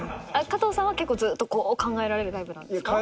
加藤さんは結構ずっと考えられるタイプなんですか？